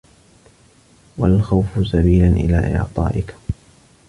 وَالْخَوْفُ سَبِيلًا إلَى إعْطَائِك